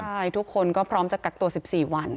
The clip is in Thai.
ใช่ทุกคนก็พร้อมจะกักตัว๑๔วัน